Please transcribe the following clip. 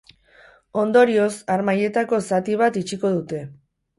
Ondorioz, harmailetako zati bat itxiko dute.